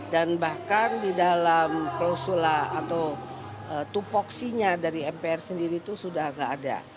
dan bahkan di dalam klausula atau tupoksinya dari mpr sendiri itu sudah gak ada